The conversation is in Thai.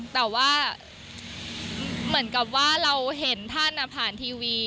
แต่ว่าเหมือนกับว่าเราเห็นท่านผ่านทีวี